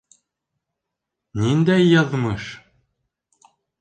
Ниндәй яҙмыш?